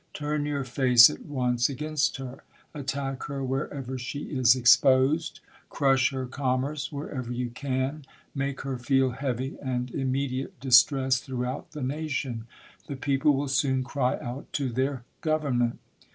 Turn your face at once against her ; attack her wherever she is exposed ; crush her commerce v^^herever you can ; make her feel heavy and immediate distress throughout the nation : the people will soon cry out to their govern ment.